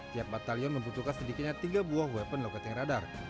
tiap batalion membutuhkan sedikitnya tiga buah weapon locating radar